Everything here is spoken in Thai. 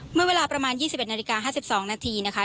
เมื่อเวลาประมาณ๒๑นาฬิกา๕๒นาทีนะคะ